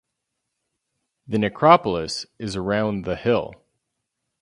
The necropolis is around the hill.